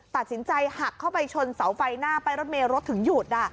ตัดสินใจหักเข้าไปชนเสาไฟหน้าป้ายรถเมย์รถถึงหยุด